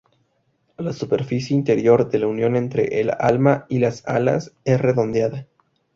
La superficie interior de la unión entre el alma y las alas es redondeada.